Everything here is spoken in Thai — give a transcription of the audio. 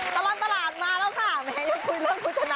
ช่วง